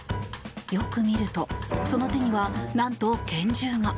よく見るとその手にはなんと拳銃が。